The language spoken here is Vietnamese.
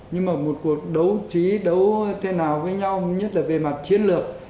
nhưng mà một cuộc đấu trí đấu thế nào với nhau nhất là về mặt chiến lược